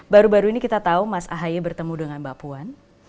baru baru ini kita tahu mas ahaye bertemu dengan mbak puan